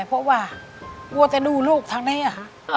เพราะว่าว่าแต่ดูลูกทั้งนี้อะค่ะ